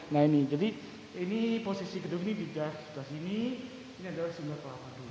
nah ini jadi ini posisi gedung ini di luar sini ini adalah sinar pelawak dulu